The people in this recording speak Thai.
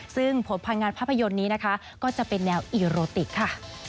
ซึ่งผลพังงานภาพยนตร์นี้นะคะก็จะเป็นแนวอีโรติกค่ะ